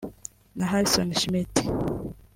na Harrison Schmitt